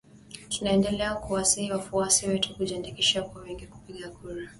Tunaendelea kuwasihi wafuasi wetu kujiandikisha kwa wingi kupiga kura.